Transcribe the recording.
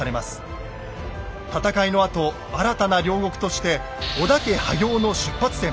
戦いのあと新たな領国として織田家覇業の出発点